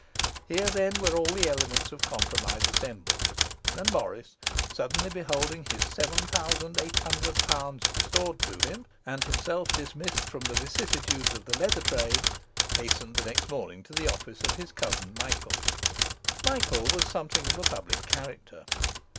Here, then, were all the elements of compromise assembled; and Morris, suddenly beholding his seven thousand eight hundred pounds restored to him, and himself dismissed from the vicissitudes of the leather trade, hastened the next morning to the office of his cousin Michael. Michael was something of a public character.